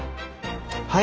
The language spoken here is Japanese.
はい！